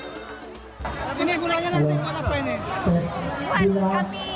ini gulanya nanti buat apa ini